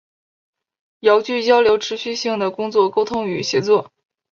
遥距交流持续性的工作沟通与协作